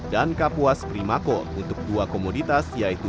dan kapuas primako untuk dua komoditas yang berbeda